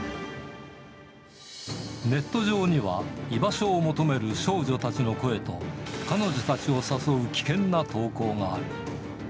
ネット上には、居場所を求める少女たちの声と、彼女たちを誘う危険な投稿がある。